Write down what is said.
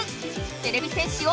てれび戦士よ